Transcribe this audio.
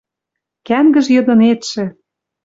Кӓнгӹж йыдынетшӹ